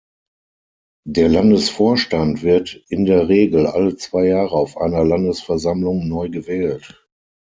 Der Landesvorstand wird in der Regel alle zwei Jahre auf einer Landesversammlung neu gewählt.